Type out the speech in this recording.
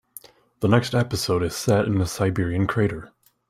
The next episode is set in a Siberian crater.